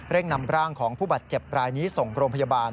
นำร่างของผู้บาดเจ็บรายนี้ส่งโรงพยาบาล